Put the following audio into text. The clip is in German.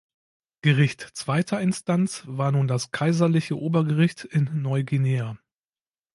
Gericht zweiter Instanz war nun das Kaiserliche Obergericht in Neu-Guinea.